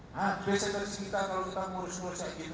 nah biasanya dari kita kalau kita murus murusnya gitu gitu